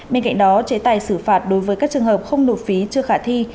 bên cạnh đó chế tài xử phạt đối với các trường hợp không nộp phí chưa khả thi